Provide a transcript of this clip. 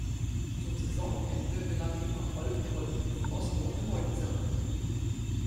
Zum Saisonende gelang ihm am Holmenkollen in Oslo erneut dieser Rang.